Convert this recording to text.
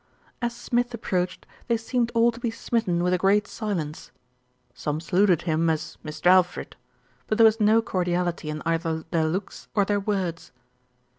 As Smith approached they seemed all to be smitten with a great silence. Some saluted him as "Mist' Al fred"; but there was no cordiality in either their looks or their words.